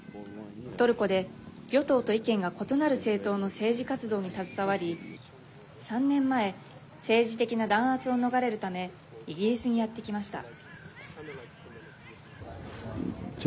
トルコで、与党と意見が異なる政党の政治活動に携わり３年前政治的な弾圧を逃れるためイギリスにやってきました。